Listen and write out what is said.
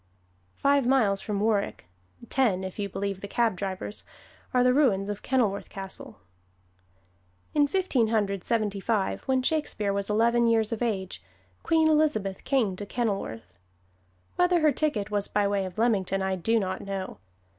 Five miles from Warwick (ten, if you believe the cab drivers) are the ruins of Kenilworth Castle. In Fifteen Hundred Seventy five, when Shakespeare was eleven years of age, Queen Elizabeth came to Kenilworth. Whether her ticket was by way of Leamington I do not know.